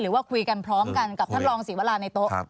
หรือว่าคุยกันพร้อมกันกับท่านรองศรีวราในโต๊ะ